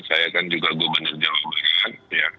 saya kan juga gubernur jawaban